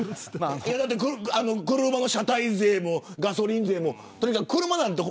車の車体税もガソリン税もとにかく車なんて。